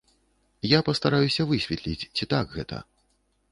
Я пастараюся высветліць, ці так гэта.